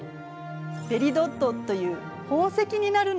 「ペリドット」という宝石になるの。